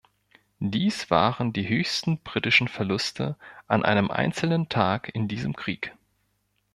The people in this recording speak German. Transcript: Dies waren die höchsten britischen Verluste an einem einzelnen Tag in diesem Krieg.